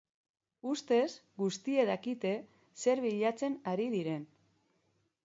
Ustez guztiek dakite zer bilatzen ari diren.